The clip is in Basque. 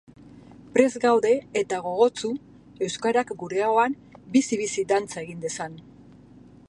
Prest gaude, eta gogotsu, euskarak gure ahoan bizi-bizi dantza egin dezan.